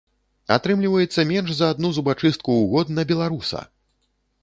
Атрымліваецца менш за адну зубачыстку ў год на беларуса!